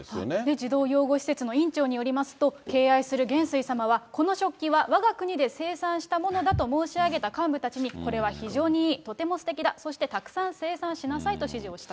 児童養護施設の院長によりますと、敬愛する元帥様はこの食器はわが国で生産したものだと申し上げた幹部たちに、これは非常に、とてもすてきだ、そしてたくさん生産これ